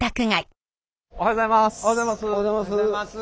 おはようございます。